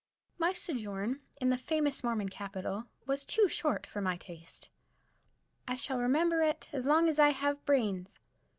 _ My sojourn in the famous Mormon Capital was too short for my taste. I shall remember it as long as I have bra'in's.